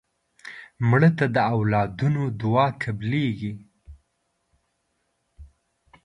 مړه ته د اولادونو دعا قبلیږي